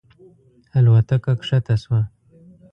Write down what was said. الوتکه کښته شوه.